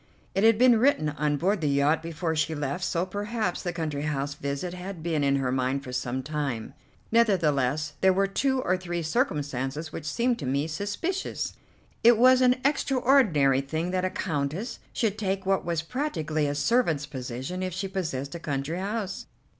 It had been written on board the yacht before she left, so perhaps the country house visit had been in her mind for some time; nevertheless there were two or three circumstances which seemed to me suspicious. It was an extraordinary thing that a Countess should take what was practically a servant's position if she possessed a country house.